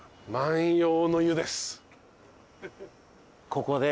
ここで？